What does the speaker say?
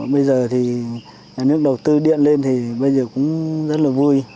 bây giờ thì nhà nước đầu tư điện lên thì bây giờ cũng rất là vui